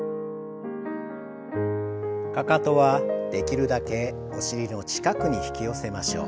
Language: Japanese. かかとはできるだけお尻の近くに引き寄せましょう。